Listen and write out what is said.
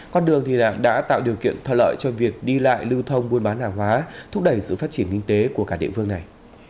con đường đã tạo điều kiện thuận lợi cho việc đi lại lưu thông buôn bán hàng hóa thúc đẩy sự phát triển kinh tế của cả địa phương này